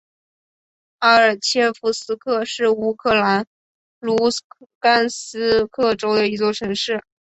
阿尔切夫斯克是乌克兰卢甘斯克州的一座城市。